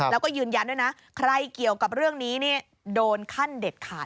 แล้วก็ยืนยันด้วยนะใครเกี่ยวกับเรื่องนี้โดนขั้นเด็ดขาด